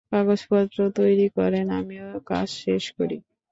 কাগজপত্র তৈরি করেন, আমিও কাজ শেষ করি।